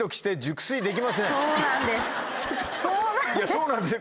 そうなんです。